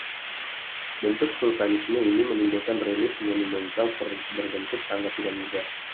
Bentuk vulkanisme ini menimbulkan relief monumental berbentuk tangga piramida.